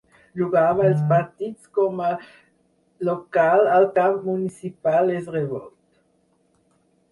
Jugava els partits com a local al Camp Municipal es Revolt.